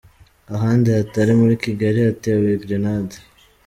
Ahandi hatari muri Kigali hatewe grenade